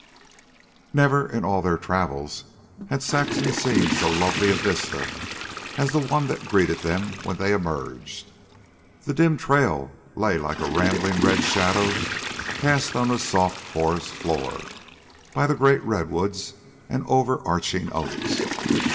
Never, in all their travels, had Saxon seen so lovely a vista as the one that greeted them when they emerged. The dim trail lay like a rambling red shadow cast on the soft forest floor by the great redwoods and over arching oaks.